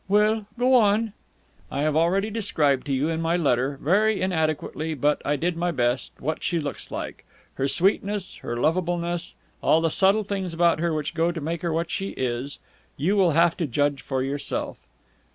"Well, go on." "I have already described to you in my letter very inadequately, but I did my best what she looks like. Her sweetness, her lovableness, all the subtle things about her which go to make her what she is, you will have to judge for yourself."